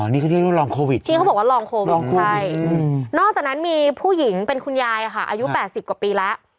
นอกจากนั้นมีผู้หญิงเป็นคุณยายอายุ๘๐กว่าปีแล้ว